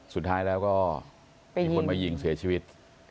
สุดท้ายแล้วก็มีคนมายิงเสียชีวิต